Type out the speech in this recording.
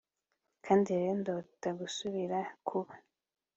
kandi rero ndota gusubira kuba